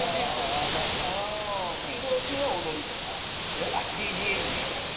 移動中は踊るとかＢＧＭに。